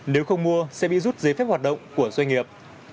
nếu không mua sẽ bị rút giấy phép hoạt động của doanh nghiệp